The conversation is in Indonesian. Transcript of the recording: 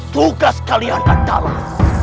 tugas kalian adalah